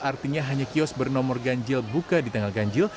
artinya hanya kios bernomor ganjil buka di tanggal ganjil